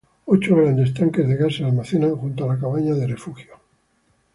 Ocho grandes tanques de gas se almacenan junto a la cabaña de refugio.